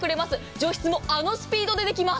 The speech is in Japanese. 除湿もあのスピードでできます。